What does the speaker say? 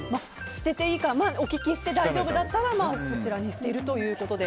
捨てていいかはお聞きして大丈夫だったらそちらに捨てると。